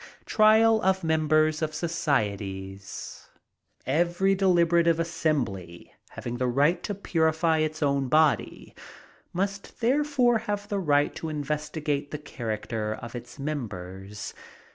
Trial of Members of Societies. Every deliberative assembly, having the right to purify its own body, must therefore have the right to investigate the character of its members.